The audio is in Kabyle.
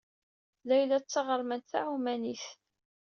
Layla d taɣermant taɛumanit.